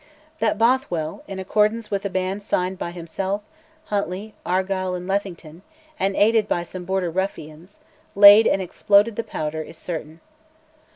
That Bothwell, in accordance with a band signed by himself, Huntly, Argyll, and Lethington, and aided by some Border ruffians, laid and exploded the powder is certain.